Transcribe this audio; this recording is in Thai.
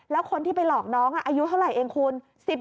แล้วคนที่ไปหลอกน้องอายุเท่าไหร่เองคุณ